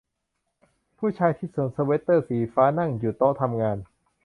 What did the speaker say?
ผู้ชายที่สวมสเวทเตอร์สีฟ้านั่งอยู่ที่โต๊ะทำงาน